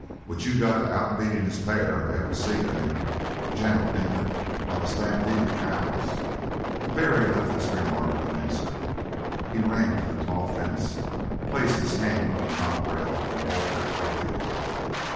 Which you got the outbeatingest pair I ever see, Dan. Gentle, ain't they, like a stampede of cows!" But Barry left this remark unanswered. He ran to the tall fence, placed his hand on the top rail, and vaulted lightly over it.